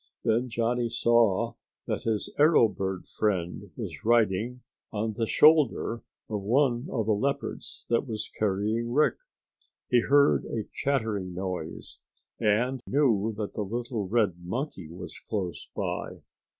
Then Johnny saw that his arrow bird friend was riding on the shoulder of one of the leopards that was carrying Rick. He heard a chattering noise, and knew that the little red monkey was close by.